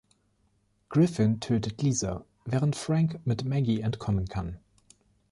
Griffin tötet Lisa, während Frank mit Maggie entkommen kann.